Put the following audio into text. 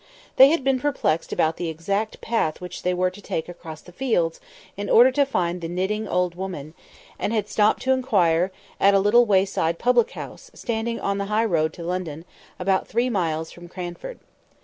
They had been perplexed about the exact path which they were to take across the fields in order to find the knitting old woman, and had stopped to inquire at a little wayside public house, standing on the high road to London, about three miles from Cranford.